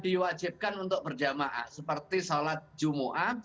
dia juga diwajibkan untuk berjamaah seperti salat jum'ah